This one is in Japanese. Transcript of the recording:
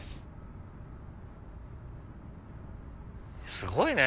すごいね！